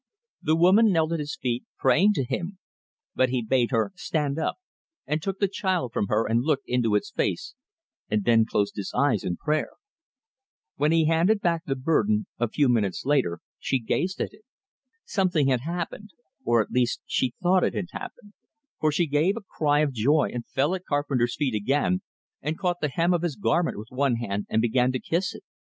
The woman knelt at his feet, praying to him; but he bade her stand up, and took the child from her, and looked into its face, and then closed his eyes in prayer. When he handed back the burden, a few minutes later, she gazed at it. Something had happened, or at least she thought it had happened, for she gave a cry of joy, and fell at Carpenter's feet again, and caught the hem of his garment with one hand and began to kiss it.